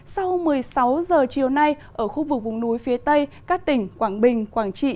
sau một mươi sáu h chiều nay ở khu vực vùng núi phía tây các tỉnh quảng bình quảng trị